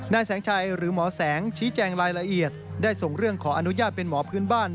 นายแสงชัยหรือหมอแสงชี้แจงรายละเอียดได้ส่งเรื่องขออนุญาตเป็นหมอพื้นบ้าน